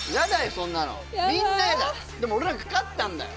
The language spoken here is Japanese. そんなのみんな嫌だでも俺らが勝ったんだよ